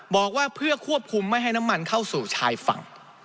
บอกว่าเพื่อควบคุมไม่ให้น้ำมันเข้าสู่ชายฝั่ง